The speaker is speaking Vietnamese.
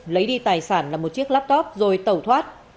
lấy đi tài sản là một chiếc laptop rồi tẩu thoát